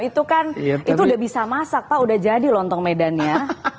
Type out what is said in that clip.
itu kan itu udah bisa masak pak udah jadi lontong medannya